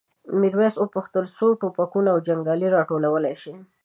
میرويس وپوښتل څو ټوپکونه او جنګیالي راټولولی شئ؟